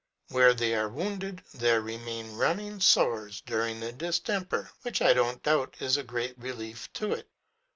Where they are wounded there remain running sores during the distemper, which I don't doubt is a great relief to it.